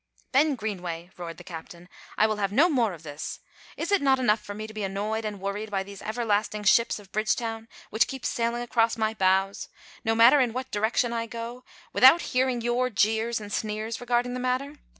"Ben Greenway," roared the captain, "I will have no more of this. Is it not enough for me to be annoyed and worried by these everlasting ships of Bridgetown, which keep sailing across my bows, no matter in what direction I go, without hearing your jeers and sneers regarding the matter?